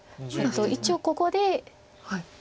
一応ここで。